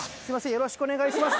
よろしくお願いします。